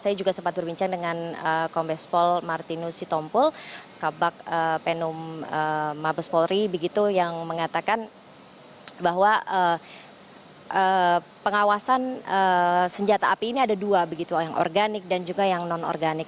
saya juga sempat berbincang dengan kombes pol martinus sitompul kabak penum mabes polri begitu yang mengatakan bahwa pengawasan senjata api ini ada dua begitu yang organik dan juga yang non organik